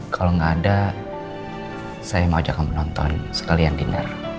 kalau gak ada saya mau ajak kamu nonton sekalian diner